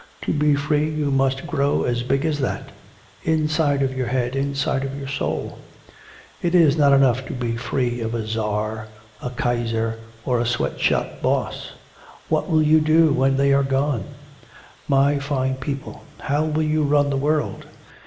To be free you must grow as big as that inside of your head, inside of your soul. It is not enough to be free of a czar, a kaiser or a sweatshop boss. What will you do when they are gone? My fine people, how will you run the world?